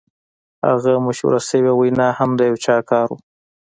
هغه مشهوره شوې وینا هم د یو چا کار و